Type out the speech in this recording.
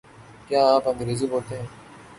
کیا آپ انگریزی بولتے ہیں؟